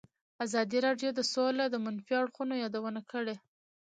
ازادي راډیو د سوله د منفي اړخونو یادونه کړې.